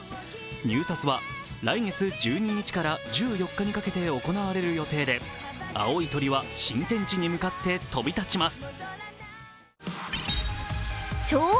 入札は来月１２日から１４日にかけて行われる予定で青い鳥は新天地に向かって飛び立ちます。